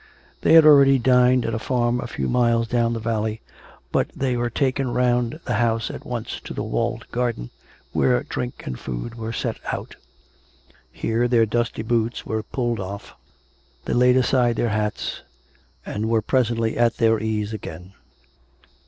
They had already dined at a farm a few miles down the valley, but they were taken round the house at once to the walled garden, where drink and food were set out. Here their dusty boots were pulled off; they laid aside their hats, and were presently at their ease again.